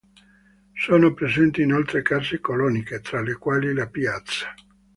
Sono presenti inoltre case coloniche, tra le quali La Piazza.